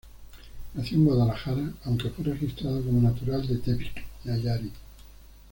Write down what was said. Nació en Guadalajara, aunque fue registrado como natural de Tepic, Nayarit.